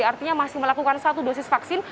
artinya masih melakukan satu dosis vaksin